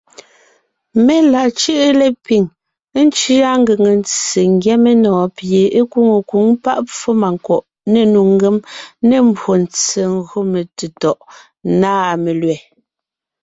Mé la cʉ́ʼʉ lepiŋ , ńcʉa ngʉŋe ntse ńgyɛ́ menɔ̀ɔn pie é nkwóŋo nkwǒŋ páʼ pfómànkwɔ̀ʼ, ne nnu ngém, ne mbwóntse gÿo metetɔ̀ʼ nâ melẅɛ̀.